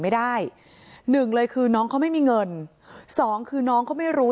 ไม่ได้หนึ่งเลยคือน้องเขาไม่มีเงินสองคือน้องเขาไม่รู้